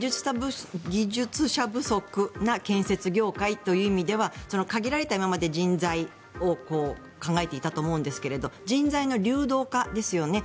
技術者不足な建設業界という意味では今までは限られた人材を考えていたと思うんですが人材の流動化ですよね。